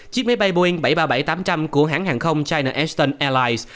chiếc máy bay boeing bảy trăm ba mươi bảy tám trăm linh của hãng hàng không china eastern airlines